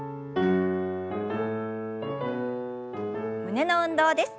胸の運動です。